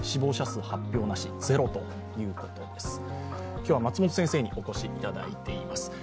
今日は松本先生にお越しいただいています。